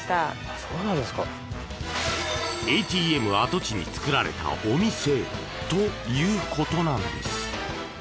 ＡＴＭ跡地に作られたお店ということなんです。